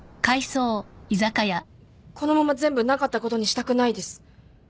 このまま全部なかったことにしたくないです